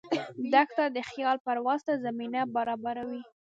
دښته د خیال پرواز ته زمینه برابروي.